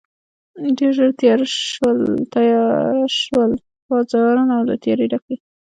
ډېر ژر تېاره شول، باران او له تیارې ډکې.